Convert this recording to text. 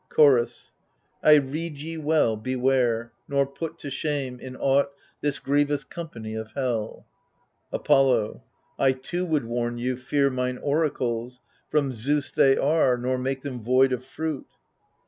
Chorus I rede ye well, beware ! nor put to shame, In aught, this grievous company of hell. Apollo I too would warn you, fear mine oracles — From Zeus they are, — nor make them void of fruit.